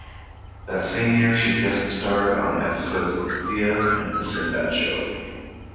That same year she guest starred on episodes of "Thea" and "The Sinbad Show".